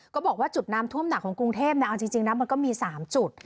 ก็บอกว่าจุดน้ำท่วมหนักของกรุงเทพมันมี๓จุด